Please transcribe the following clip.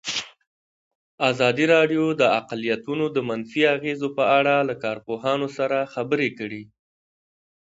ازادي راډیو د اقلیتونه د منفي اغېزو په اړه له کارپوهانو سره خبرې کړي.